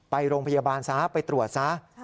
ไปโรงพยาบาลซะไปตรวจซะ